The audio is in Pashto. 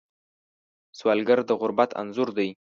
سوالګر د غربت انځور دی